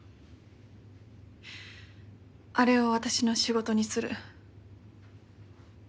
あれを私の仕事にする。